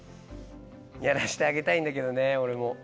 やらしてあげたいんだけどねオレも。